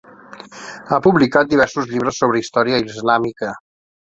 Ha publicat diversos llibres sobre història islàmica.